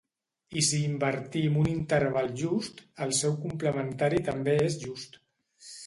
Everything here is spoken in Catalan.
I si invertim un interval just, el seu complementari també és just.